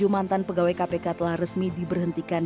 lima puluh tujuh mantan pegawai kpk telah resmi diberhentikan